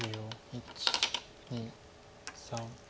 １２３。